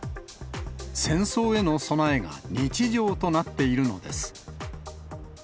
戦争への備えが日常となっているのです。